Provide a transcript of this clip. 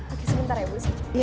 oke sebentar ya bu